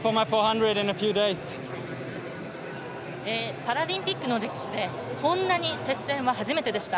パラリンピックの歴史でこんなに接戦は初めてでした。